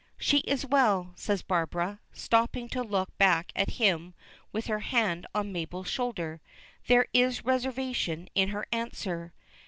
"She is well," says Barbara, stopping to look back at him with her hand on Mabel's shoulder there is reservation in her answer.